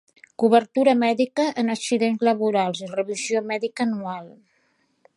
Cobertura mèdica en accidents laborals i revisió mèdica anual.